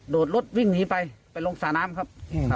รถวิ่งหนีไปไปลงสระน้ำครับ